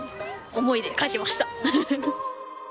思いで書きました。